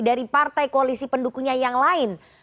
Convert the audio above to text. dari partai koalisi pendukungnya yang lain